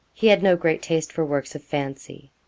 He had no great taste for works of fancy.